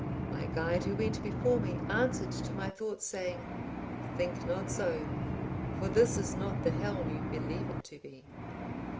My guide, who went before me, answered to my thought, saying, 'Think not so, for this is not the Hell you believe it to be.